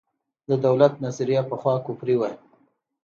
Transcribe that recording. د دولت نظریه پخوا کفري وه.